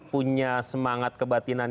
punya semangat kebatinan